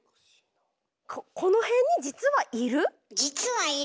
この辺に実はいる？